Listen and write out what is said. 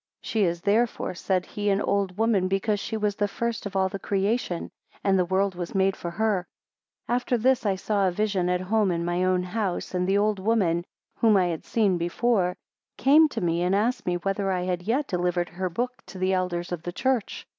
She is therefore, said he, an old woman, because she was the first of all the creation, and the world was made for her. 34 After this I saw a vision at home in my own house, and the old woman, whom I had seen before, came to me and asked me whether I had yet delivered her book to the elders of the church?